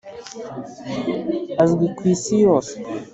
azwi kwisi yose.